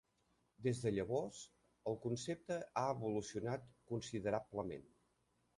Des de llavors, el concepte ha evolucionat considerablement.